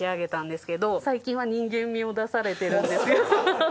最近は人間味を出されているんですよ。